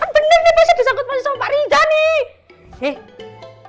bener nih pasti disangkut sangkut sama pak rizah nih